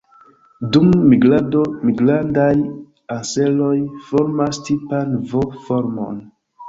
Dum migrado, Malgrandaj anseroj formas tipan V-formon.